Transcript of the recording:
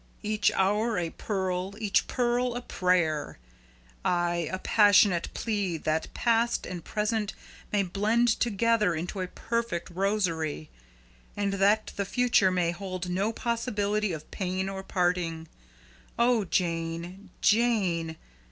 'Each hour a pearl, each pearl a prayer,' ay, a passionate plea that past and present may blend together into a perfect rosary, and that the future may hold no possibility of pain or parting. Oh, Jane Jane!